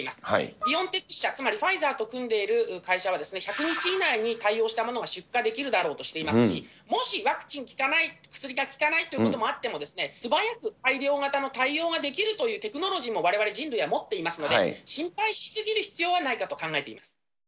ビオンテック社、ファイザーと組んでいる会社は、１００日以内に対応したものが出荷できるだろうとしていますし、もし、ワクチン効かない、薬が効かないということがあっても、すばやく改良型の対応ができるというテクノロジーもわれわれ人類は持っていますので、心配し過ぎる必要はないかと考えています。